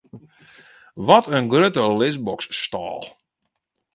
Wat in grutte lisboksstâl!